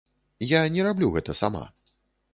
Я не раблю гэта сама.